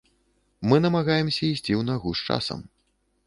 Мы намагаемся ісці ў нагу з часам.